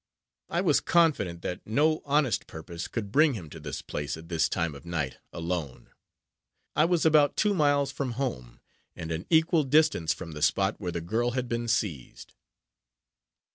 I was confident, that no honest purpose could bring him to this place, at this time of night, alone. I was about two miles from home, and an equal distance from the spot where the girl had been seized.